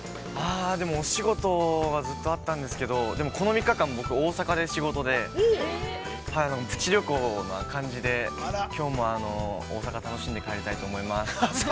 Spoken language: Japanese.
でも、お仕事はずっとあったんですけれども、でも、この３日間、大阪で仕事で、プチ旅行な感じで、きょうも大阪を楽しんで帰りたいと思います。